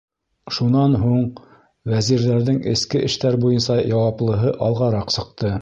Шунан һуң вәзирҙәрҙең эске эштәр буйынса яуаплыһы алғараҡ сыҡты: